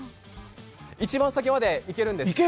一番先まで行けるんです。